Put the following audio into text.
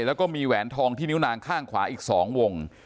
แล้วก็มีแหวนทองที่นิ้วนางข้างขวาอีก๒วง